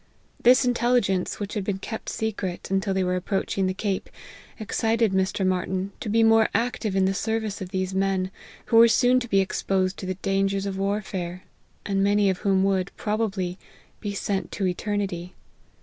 This intelligence, which had been kept secret, until they were approaching the cape, ex cited Mr, Martyn to be more active in the service of these men, who were soon to be exposed to the dangers of warfare, and many of whom would, pro* bably, be sent to eternity.